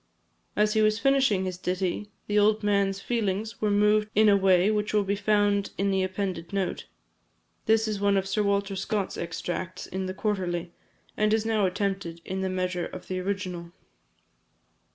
As he was finishing his ditty, the old man's feelings were moved in a way which will be found in the appended note. This is one of Sir Walter Scott's extracts in the Quarterly, and is now attempted in the measure of the original.